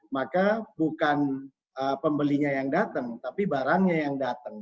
maka bukan pembelinya yang datang tapi barangnya yang datang